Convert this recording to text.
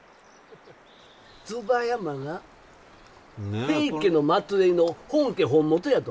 椿山が平家の末えいの本家本元やと。